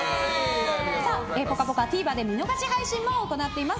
「ぽかぽか」、ＴＶｅｒで見逃し配信も行っています。